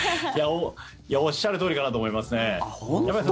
おっしゃるとおりかなと思いますね。